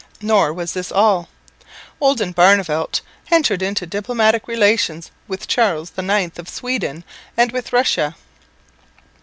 Nor was this all. Oldenbarneveldt entered into diplomatic relations with Charles IX of Sweden and with Russia.